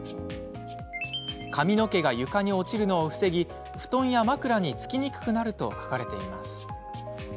髪の毛が床に落ちるのを防ぎ布団や枕につきにくくなると書かれています。